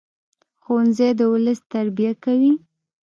ښوونځی د ولس تربیه کوي